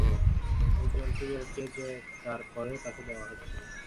একজন সিগারেট চেয়েছে, তার পরেও তাকে দেওয়া হচ্ছে না।